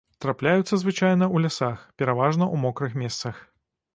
Трапляюцца звычайна ў лясах, пераважна ў мокрых месцах.